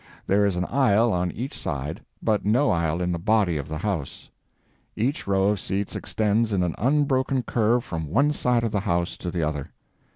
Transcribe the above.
There is an aisle on each side, but no aisle in the body of the house. Each row of seats extends in an unbroken curve from one side of the house to the other.